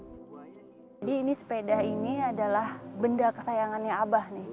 jadi ini sepeda ini adalah benda kesayangannya abah